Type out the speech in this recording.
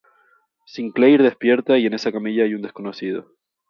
Sinclair despierta y en esa camilla hay un desconocido.